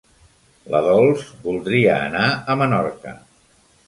La Dols voldria anar a Menorca.